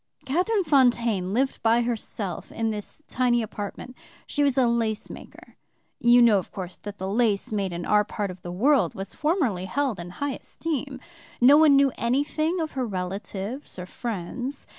"Catherine Fontaine lived by herself in this tiny apartment. She was a lace maker. You know, of course, that the lace made in our part of the world was formerly held in high esteem. No one knew anything of her relatives or friends.